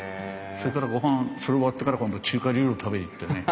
それからごはんそれ終わってから今度中華料理を食べに行ってね